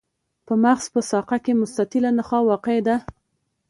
په مغز په ساقه کې مستطیله نخاع واقع ده.